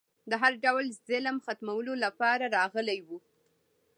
د هر ډول ظلم ختمولو لپاره راغلی و